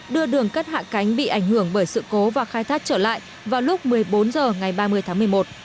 đưa đường cất hạ cánh bị ảnh hưởng bởi sự cố và khai thác trở lại vào lúc một mươi bốn h ngày ba mươi tháng một mươi một